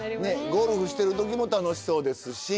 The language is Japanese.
ゴルフしてる時も楽しそうですし。